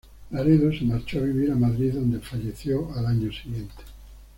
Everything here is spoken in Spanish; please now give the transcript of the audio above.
Laredo se marchó a vivir a Madrid, donde falleció al año siguiente.